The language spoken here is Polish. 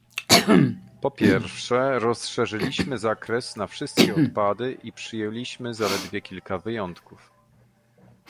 po pierwsze, rozszerzyliśmy zakres na wszystkie odpady i przyjęliśmy zaledwie kilka wyjątków